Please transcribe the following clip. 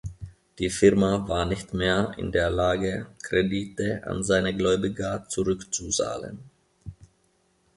Die Firma war nicht mehr in der Lage, Kredite an seine Gläubiger zurückzuzahlen.